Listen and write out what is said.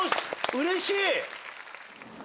うれしい。